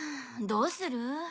どうする？